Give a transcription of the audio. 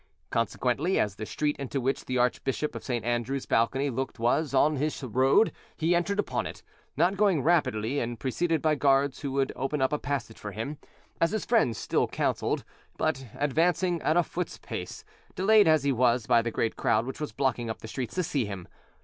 Consequently, as the street into which the Archbishop of St. Andrews' balcony looked was on his road, he entered upon it, not going rapidly and preceded by guards who would open up a passage for him, as his friends still counselled, but advancing at a foot's pace, delayed as he was by the great crowd which was blocking up the streets to see him.